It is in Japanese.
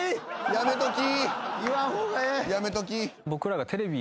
やめとき。